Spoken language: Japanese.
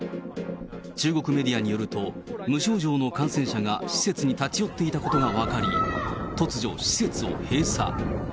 中国メディアによると、無症状の感染者が施設に立ち寄っていたことが分かり、突如、施設を閉鎖。